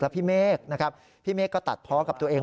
พี่เมฆนะครับพี่เมฆก็ตัดเพาะกับตัวเอง